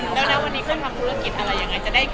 แล้ววันนี้เขาทำธุรกิจอะไรยังไง